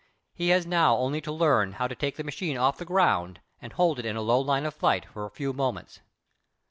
He has now only to learn how to take the machine off the ground and hold it at a low line of flight for a few moments.